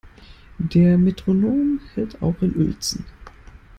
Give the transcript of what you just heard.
Der Metronom hält auch in Uelzen.